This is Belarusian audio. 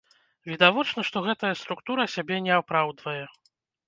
Відавочна, што гэтая структура сябе не апраўдвае.